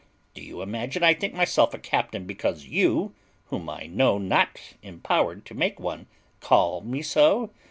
Do you imagine I think myself a captain because you, whom I know not empowered to make one, call me so?